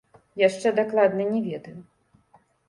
Яшчэ дакладна не ведаю.